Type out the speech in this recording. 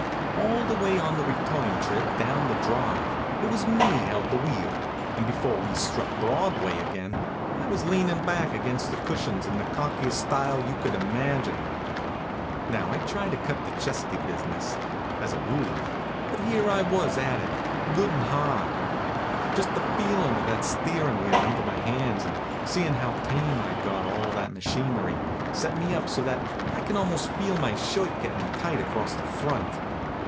All the way on the return trip down the Drive it was me that held the wheel, and be fore we struck Broadway again I was lean in back against the cushions in the cockiest style you could imagine. Now, I try to cut out the chesty business, HONK, HONK! as a rule; but here I was at it, good and hard. Just the feel of that steerin wheel under my hands, and seein how tame I d got all that machinery, set me up so that I could almost feel my shirt gettin tight across the front.